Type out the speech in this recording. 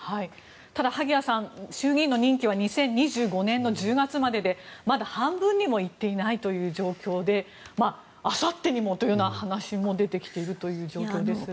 ただ、萩谷さん、衆議院の任期は２０２５年１０月まででまだ半分にもいっていない状況であさってにもという話も出てきているという状況ですが。